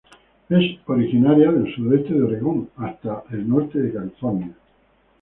Es originaria del sudoeste de Oregón, hasta el norte de California.